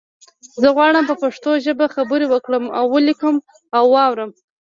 زه غواړم په پښتو ژبه خبری وکړم او ولیکم او وارم